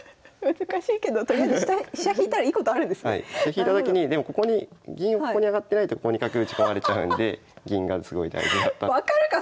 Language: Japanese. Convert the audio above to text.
引いたときにでもここに銀をここに上がってないとここに角打ち込まれちゃうんで銀がすごい大事だった。